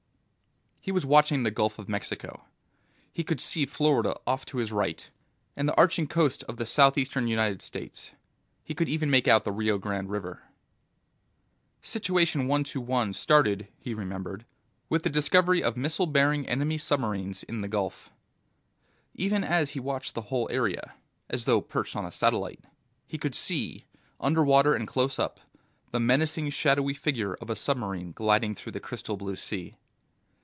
He was watching the Gulf of Mexico. He could see Florida off to his right, and the arching coast of the southeastern United States. He could even make out the Rio Grande River. Situation One Two One started, he remembered, with the discovery of missile bearing Enemy submarines in the Gulf. Even as he watched the whole area as though perched on a satellite he could see, underwater and close up, the menacing shadowy figure of a submarine gliding through the crystal blue sea.